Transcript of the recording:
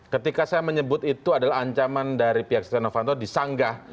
ketika saya menyebut itu adalah ancaman dari pihak setia novanto disanggah